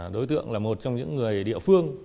đối tượng là một trong những người địa phương